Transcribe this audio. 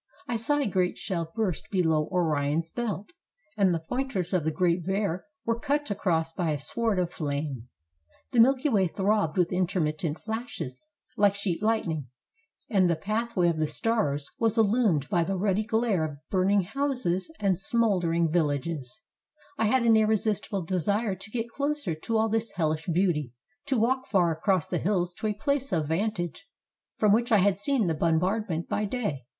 I saw a great shell burst below Orion's belt, and the point ers of the Great Bear were cut across by a sword of flame. The Milky Way throbbed with intermittent flashes like sheet lightning, and the pathway of the stars was illu mined by the ruddy glare of burning houses and smoul 439 THE BALKAN STATES dering villages, I had an irresistible desire to get closer to all this helhsh beauty, to walk far across the hills to a place of vantage from which I had seen the bombard ment by day.